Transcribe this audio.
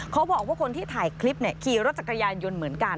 เขาบอกว่าคนที่ถ่ายคลิปขี่รถจักรยานยนต์เหมือนกัน